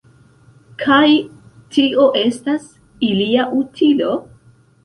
Kaj tio estas ilia utilo?